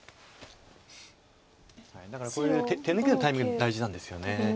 だからこういう手抜きのタイミング大事なんですよね。